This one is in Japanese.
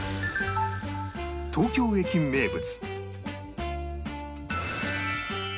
東京駅名物